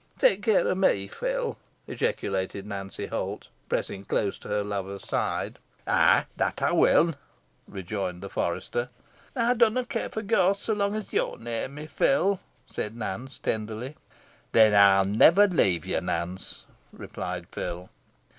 "Tak care o' me, Phil," ejaculated Nancy Holt, pressing close to her lover's side. "Eigh, that I win," rejoined the forester. "Ey dunna care for ghosts so long as yo are near me, Phil," said Nancy, tenderly. "Then ey'n never leave ye, Nance," replied Phil.